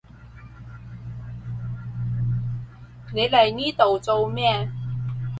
你嚟呢度做咩？